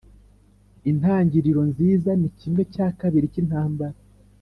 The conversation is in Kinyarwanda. intangiriro nziza ni kimwe cya kabiri cyintambara.